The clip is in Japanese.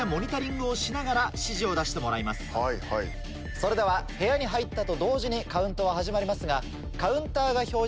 それでは部屋に入ったと同時にカウントは始まりますが。